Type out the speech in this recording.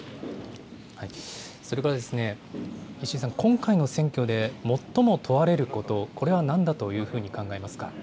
それから、石井さん、今回の選挙でもっとも問われること、これはなんだというふうに考えますか。